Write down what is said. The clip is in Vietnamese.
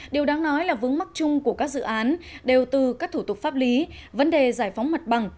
điều đáng nói là vướng mắc chung của các dự án đều từ các thủ tục pháp lý vấn đề giải phóng mặt bằng